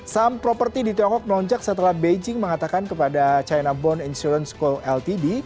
saham properti di tiongkok melonjak setelah beijing mengatakan kepada china bond insurance school ltd